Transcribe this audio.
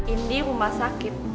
ini rumah sakit